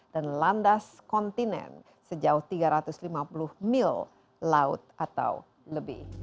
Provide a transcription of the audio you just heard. dan landas kontinen sejauh tiga ratus lima puluh mil laut atau lebih